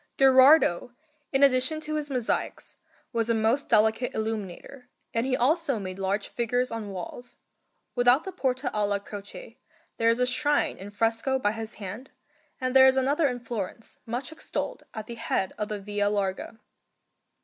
Gherardo, in addition to his mosaics, was a most delicate illuminator, and he also made large figures on walls. Without the Porta alla Croce there is a shrine in fresco by his hand, and there is another in Florence, much extolled, at the head of the Via Larga.